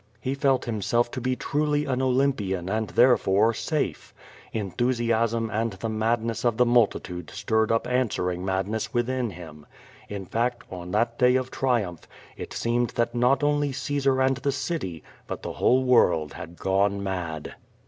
He felt himself to be truly an Olympian and therefore safe. Enthusiasm and the madness of the multi tude stirred up answering madness within him. In fact, on that day of triumph^it seemed that not only Caesar and the city, but the whole world had gone mad.